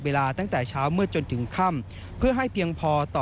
ตั้งแต่เช้ามืดจนถึงค่ำเพื่อให้เพียงพอต่อ